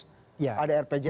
ada rpjmr ada rpr jangka panjang